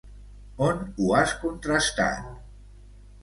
On ho has contrastat?